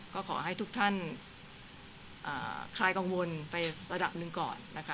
ก็ขอให้ทุกท่านคลายกังวลไประดับหนึ่งก่อนนะคะ